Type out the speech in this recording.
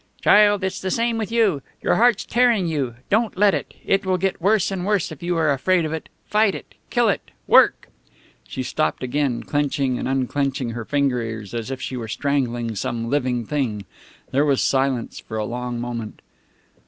"Child, it's the same with you. Your heart's tearing you. Don't let it! It will get worse and worse if you are afraid of it. Fight it! Kill it! Work!" She stopped again, clenching and unclenching her fingers, as if she were strangling some living thing. There was silence for a long moment.